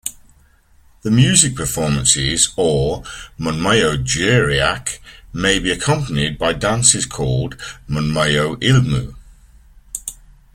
The music performances or "munmyo jeryeak" may be accompanied by dances called "munmyo ilmu".